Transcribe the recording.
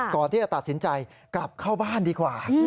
ก่อนที่จะตัดสินใจกลับเข้าบ้านดีกว่า